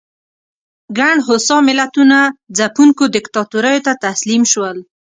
ګڼ هوسا ملتونه ځپونکو دیکتاتوریو ته تسلیم شول.